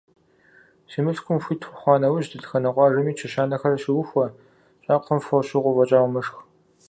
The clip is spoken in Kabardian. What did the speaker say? Си мылъкум хуит ухъуа нэужь, дэтхэнэ къуажэми чэщанэхэр щыухуэ, щӀакхъуэм фо щӀыгъуу фӀэкӀа умышх.